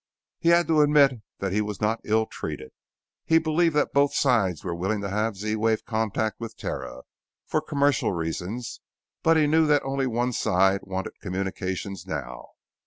He had to admit that he was not ill treated. He believed that both sides were willing to have Z wave contact with Terra, for commercial reasons, but he knew that only one side wanted communications now.